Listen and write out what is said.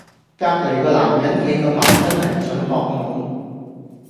隔離嗰男人企咁埋分明想博懵